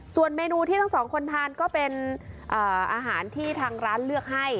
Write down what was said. ส่วนเมนูที่ทั้งสองคนทานก็เป็นอาหารที่ทางร้านเลือกให้